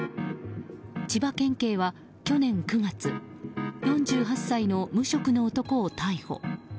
千葉県警は去年９月４８歳の無職の男を逮捕。